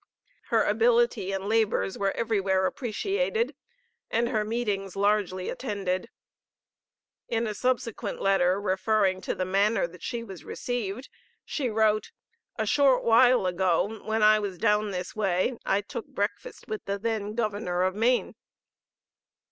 Her ability and labors were everywhere appreciated, and her meetings largely attended. In a subsequent letter referring to the manner that she was received, she wrote, "A short while ago when I was down this way I took breakfast with the then Governor of Maine."